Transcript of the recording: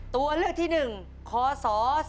ตัวเลือกที่๑คศ๒๕๖